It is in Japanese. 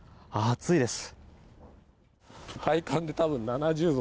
暑いです。